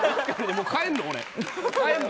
もう帰るの？